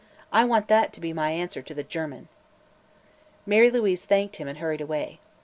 I want that to be my answer to the German." Mary Louise thanked him and hurried away.